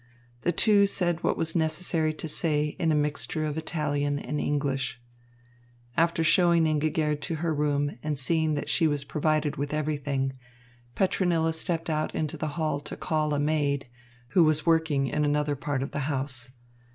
The two said what was necessary to say in a mixture of Italian and English. After showing Ingigerd to her room and seeing that she was provided with everything, Petronilla stepped out into the hall to call a maid, who was working in another part of the house.